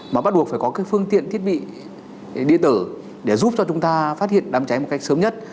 mà bắt buộc phải có cái phương tiện thiết bị điện tử để giúp cho chúng ta phát hiện đám cháy một cách sớm nhất